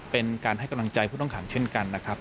เป็นการให้กำลังใจผู้ต้องขังเช่นกันนะครับ